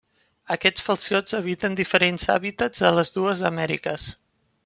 Aquests falciots habiten diferents hàbitats a les dues Amèriques.